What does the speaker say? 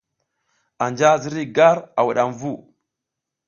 Anja ziriy gar a wudam vu.